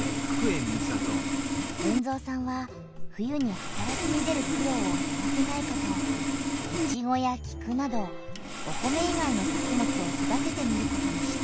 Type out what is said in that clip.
豊造さんは冬にはたらきに出る苦ろうをへらせないかとイチゴやキクなどお米いがいの作物を育ててみることにした。